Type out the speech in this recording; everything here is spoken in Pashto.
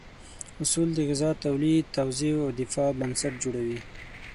اصول د غذا تولید، توزیع او دفاع بنسټ جوړوي.